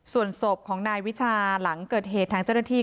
ส่วนศพของนายวิชาหลังเกิดเหตุทางเจ้าหน้าที่